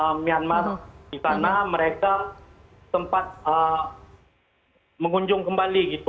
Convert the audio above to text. karena myanmar di sana mereka sempat mengunjung kembali gitu